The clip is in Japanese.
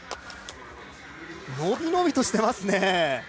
伸び伸びとしていますね。